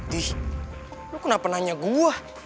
dih lu kenapa nanya gua